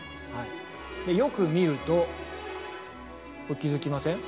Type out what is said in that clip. よく見ると気付きません？